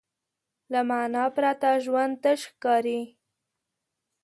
له معنی پرته ژوند تش ښکاري.